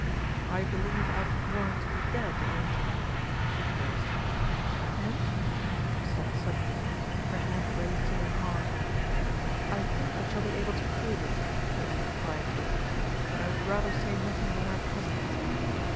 "I believe Alfred Warren to be dead and " He paused. "And ?" She stopped suddenly, her hand raised to her heart. "I think I shall be able to prove it," he added quietly, "but I would rather say nothing more at present."